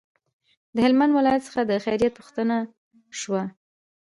د هلمند ولایت څخه د خیریت پوښتنه شوه.